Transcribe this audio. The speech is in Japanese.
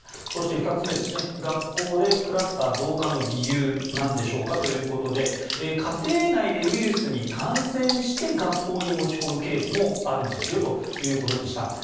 そして２つ目学校でクラスター増加の理由なんでしょうかということで家庭内でウイルスに感染して学校に持ち込むケースもあるんですよということでした。